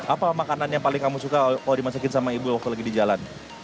apa makanan yang paling kamu suka kalau dimasakin sama ibu waktu lagi di jalan